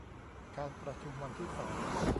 การประชุมวันที่สอง